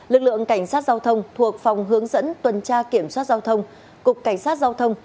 lực lượng cảnh sát giao thông thuộc phòng hướng dẫn tuần tra kiểm soát giao thông